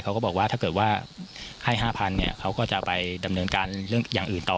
เขาก็บอกว่าถ้าเกิดว่าให้๕๐๐เนี่ยเขาก็จะไปดำเนินการเรื่องอย่างอื่นต่อ